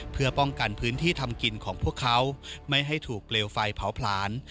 เพื่อป้องกันพื้นที่ทำกินของพวกเขาไม่ให้ถูกเปลวไฟเผาผลาญ